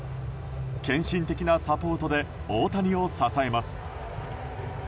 献身的なサポートで大谷を支えます。